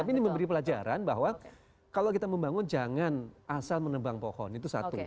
tapi ini memberi pelajaran bahwa kalau kita membangun jangan asal menebang pohon itu satu